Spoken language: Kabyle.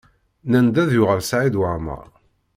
Nnan-d ad yuɣal Saɛid Waɛmaṛ.